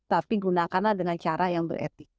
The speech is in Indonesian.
tapi gunakanlah dengan cara yang beretik